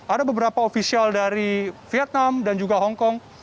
ada beberapa ofisial dari vietnam dan juga hongkong